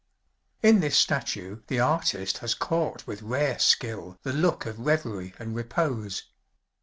In this statue the artist has caught with rare skill the look of reverie and repose.